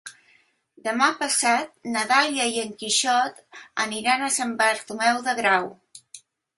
Demà passat na Dàlia i en Quixot aniran a Sant Bartomeu del Grau.